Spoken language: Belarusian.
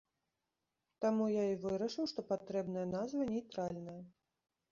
Таму я і вырашыў, што патрэбная назва нейтральная.